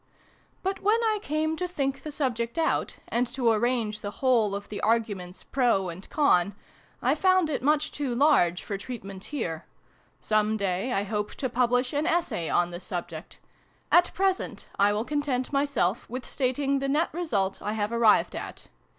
But, when I came to think the subject out, and to arrange the whole of the arguments ' pro ' and ' con ', I found it much too large for treatment here. Some day, I hope to publish an essay on this subject. At present, I will content myself with stating the net result I have arrived at.